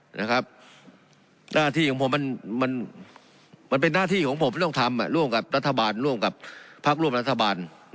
หน้าที่ของผมมันเป็นหน้าที่ของผมที่ต้องทำร่วมกับรัฐบาลร่วมกับพักร่วมรัฐบาล